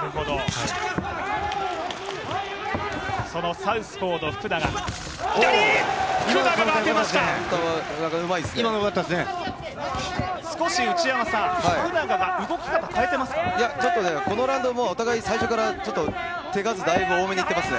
このラウンド、お互いに最初から手数、だいぶ多めにいってますね。